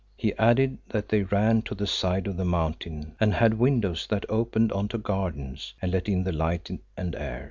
He added that they ran to the side of the Mountain and had windows that opened on to gardens and let in the light and air.